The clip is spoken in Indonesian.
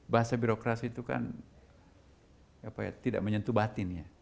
bahasa birokrasi itu kan tidak menyentuh batinnya